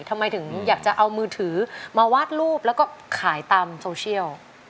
ทำไมถึงอยากจะเอามือถือมาวาดรูปแล้วก็ขายตามโซเชียล